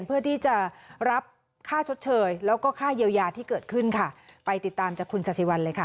เพื่อที่จะรับค่าชดเชยแล้วก็ค่าเยียวยาที่เกิดขึ้นค่ะไปติดตามจากคุณศาสิวันเลยค่ะ